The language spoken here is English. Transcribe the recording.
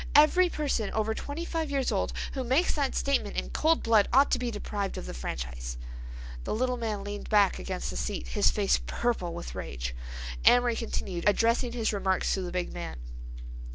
Every person over twenty five years old who makes that statement in cold blood ought to be deprived of the franchise." The little man leaned back against the seat, his face purple with rage. Amory continued, addressing his remarks to the big man.